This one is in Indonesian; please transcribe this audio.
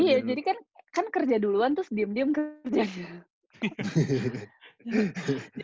iya jadi kan kerja duluan terus diem diem kerja ya